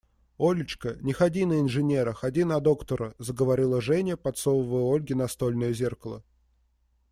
Олечка, не ходи на инженера, ходи на доктора, – заговорила Женя, подсовывая Ольге настольное зеркало.